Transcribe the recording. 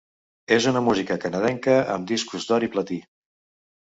És una música canadenca amb discos d'or i platí.